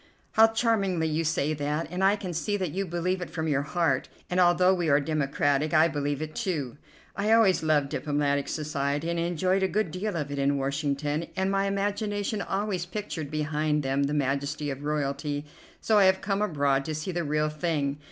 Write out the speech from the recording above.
"How charmingly you say that, and I can see that you believe it from your heart; and although we are democratic, I believe it, too. I always love diplomatic society, and enjoyed a good deal of it in Washington, and my imagination always pictured behind them the majesty of royalty, so I have come abroad to see the real thing.